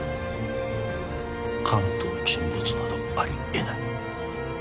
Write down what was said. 関東沈没などありえない